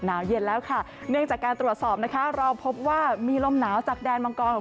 เย็นแล้วค่ะเนื่องจากการตรวจสอบนะคะเราพบว่ามีลมหนาวจากแดนมังกรของ